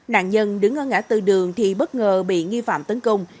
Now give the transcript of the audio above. nạn nhân đứng ở ngã tư đường thì bất ngờ bị nghi phạm tấn công